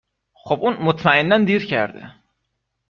خب اون مطمئنا دیر کرده